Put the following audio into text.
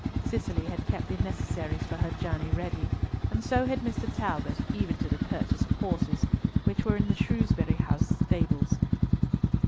Cicely had kept the necessaries for her journey ready, and so had Mr. Talbot, even to the purchase of horses, which were in the Shrewsbury House stables.